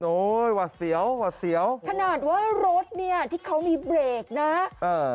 โอ้ยหวัดเสียวหวัดเสียวขนาดว่ารถเนี้ยที่เขามีเบรกนะเออ